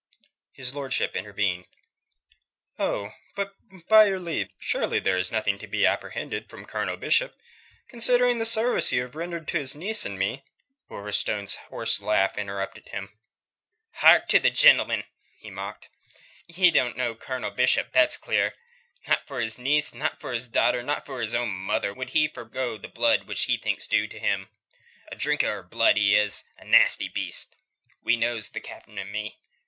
His lordship intervened. "Oh, but by your leave surely there is nothing to be apprehended from Colonel Bishop. Considering the service you have rendered to his niece and to me...." Wolverstone's horse laugh interrupted him. "Hark to the gentleman!" he mocked. "Ye don't know Colonel Bishop, that's clear. Not for his niece, not for his daughter, not for his own mother, would he forgo the blood what he thinks due to him. A drinker of blood, he is. A nasty beast. We knows, the Cap'n and me.